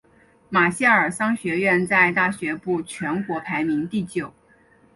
马歇尔商学院在大学部全国排名第九。